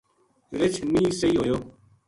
رچھ نیہہ سہی ہویو